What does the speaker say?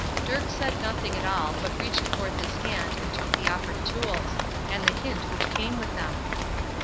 Dirk said nothing at all, but reached forth his hand, and took the offered tools, and the hint which came with them.